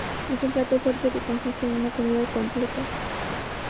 Es un plato fuerte que consiste en una comida completa.